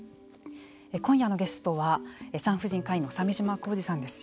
今夜のゲストは産婦人科医の鮫島浩二さんです。